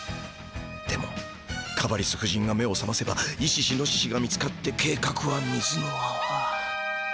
でもカバリス夫人が目をさませばイシシノシシが見つかって計画は水のあわ。